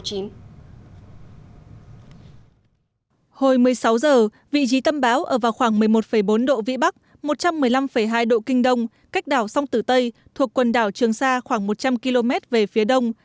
hồi một mươi sáu giờ vị trí tâm bão ở vào khoảng một mươi một bốn độ vĩ bắc một trăm một mươi năm hai độ kinh đông cách đảo song tử tây thuộc quần đảo trường sa khoảng một trăm linh km về phía đông